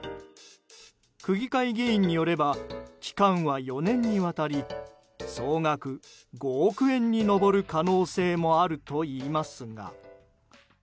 区議会議員によれば期間は４年にわたり総額５億円に上る可能性もあるといいますが。